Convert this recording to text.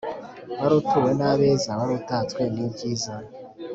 wari utuwe n'abeza wari utatswe n'ibyizi